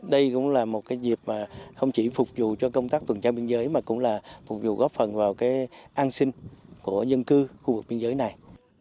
đây cũng là một dịp không chỉ phục vụ cho công tác tuần tra biên giới mà cũng là phục vụ góp phần vào an sinh của nhân cư khu vực biên giới này